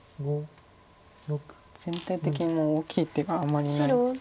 全体的にもう大きい手があまりないです。